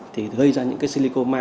thì gây ra những cái silicone ma